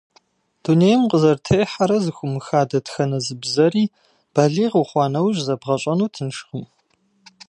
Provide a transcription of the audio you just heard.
Дунейм укъызэрытехьэрэ зэхыумыха дэтхэнэ зы бзэри балигъ ухъуа иужь зэбгъэщӀэну тыншкъым.